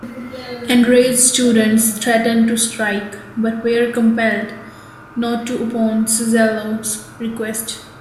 Enraged students threatened to strike, but were compelled not to upon Suzzallo's request.